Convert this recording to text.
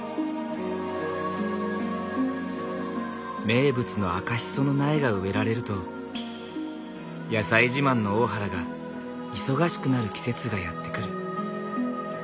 名物の赤しその苗が植えられると野菜自慢の大原が忙しくなる季節がやって来る。